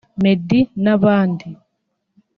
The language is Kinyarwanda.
Meddy n’abandi